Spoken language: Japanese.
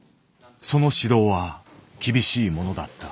その指導は厳しいものだった。